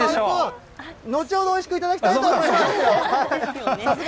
後ほどおいしく頂きたいと思います。